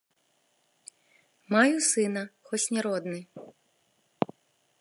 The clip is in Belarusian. Маю сына, хоць не родны.